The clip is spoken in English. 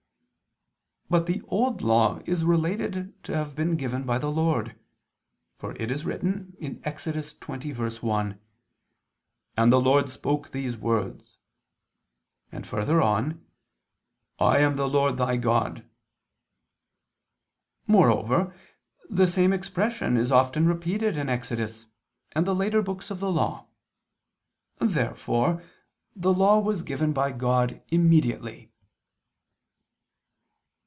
But the Old Law is related to have been given by the Lord: for it is written (Ex. 20:1): "And the Lord spoke ... these words," and further on: "I am the Lord Thy God." Moreover the same expression is often repeated in Exodus, and the later books of the Law. Therefore the Law was given by God immediately.